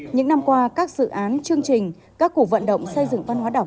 những năm qua các dự án chương trình các cuộc vận động xây dựng văn hóa đọc